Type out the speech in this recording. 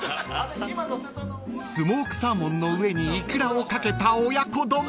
［スモークサーモンの上にいくらを掛けた親子丼］